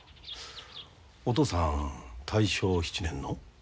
お父さん大正７年の？